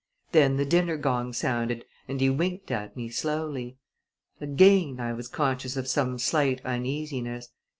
Then the dinner gong sounded and he winked at me slowly. Again I was conscious of some slight uneasiness.